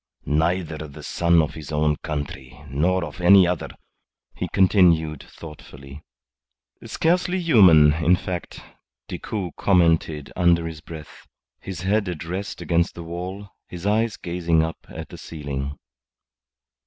"Neither the son of his own country nor of any other," he continued, thoughtfully. "Scarcely human, in fact," Decoud commented under his breath, his head at rest against the wall, his eyes gazing up at the ceiling.